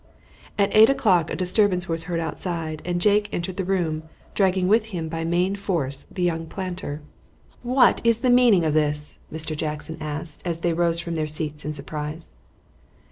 At eight o'clock a disturbance was heard outside, and Jake entered the room, dragging with him by main force the young planter. "What is the meaning of this?" Mr. Jackson asked, as they rose from their seats in surprise.